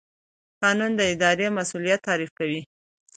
قانون د اداري مسوولیت تعریف کوي.